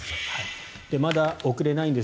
まだ送れないです